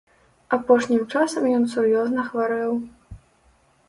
Апошнім часам ён сур'ёзна хварэў.